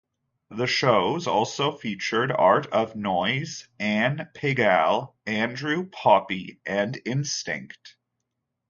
The shows also featured Art of Noise, Anne Pigalle, Andrew Poppy and Instinct.